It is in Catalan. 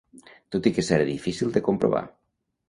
Tot i que serà difícil de comprovar.